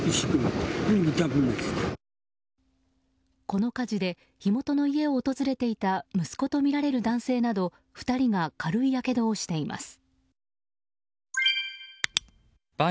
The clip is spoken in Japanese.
この火事で火元の家を訪れていた息子とみられる男性など２人が軽いやけどをしています。